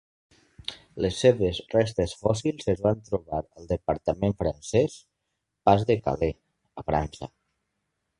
Les seves restes fòssils es van trobar al departament francés Pas de Calais, a França.